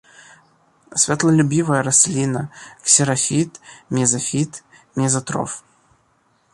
Святлолюбівая расліна, ксерафіт, мезафіт, мезатроф.